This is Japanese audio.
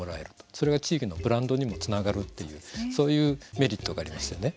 それが地域のブランドにもつながるというそういうメリットがありますよね。